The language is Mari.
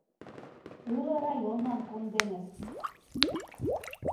— Уло районлан конденыт.